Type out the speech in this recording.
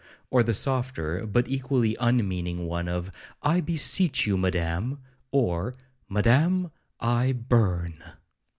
'1 or the softer, but equally unmeaning one of 'I beseech you, Madam,' or, 'Madam, I burn.'